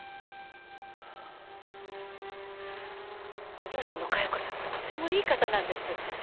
お嬢さんの加代子さんはとてもいい方なんです。